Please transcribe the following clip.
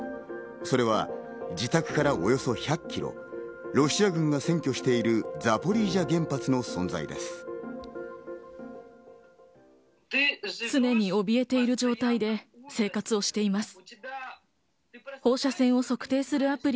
それは自宅からおよそ１００キロ、ロシア軍が占拠しているザポリージャ原発の存在です。